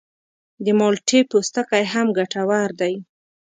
د مالټې پوستکی هم ګټور دی.